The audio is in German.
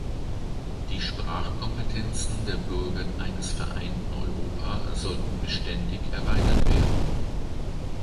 Die Sprachkompetenzen der Bürger eines vereinten Europa sollten beständig erweitert werden.